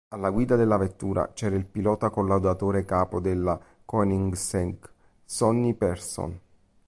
Alla guida della vettura c'era il pilota collaudatore capo della Koenigsegg, Sonny Persson.